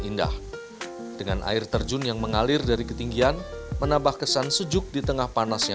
indah dengan air terjun yang mengalir dari ketinggian menambah kesan sejuk di tengah panasnya